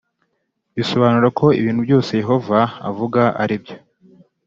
Bisobanura ko ibintu byose Yehova avuga aribyo